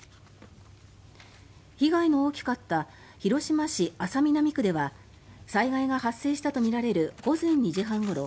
被害の大きかった広島市安佐南区では災害が発生したとみられる午前２時半ごろ